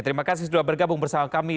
terima kasih sudah bergabung bersama kami